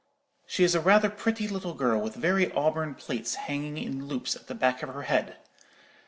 She is rather a pretty little girl, with very auburn plaits hanging in loops at the back of her head.